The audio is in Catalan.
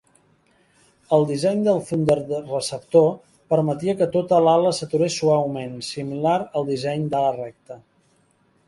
El disseny del Thunderceptor permetia que tota l'ala s'aturés suament, similar al disseny d'ala recta.